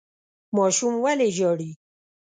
ماشوم ولې ژاړي ؟